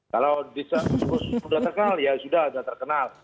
kalau sudah terkenal ya sudah sudah terkenal